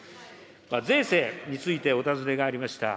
税制についてお尋ねがありました。